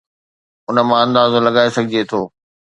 ان مان اندازو لڳائي سگهجي ٿو.